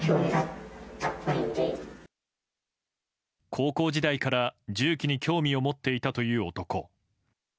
高校時代から銃器に興味を持っていたという男。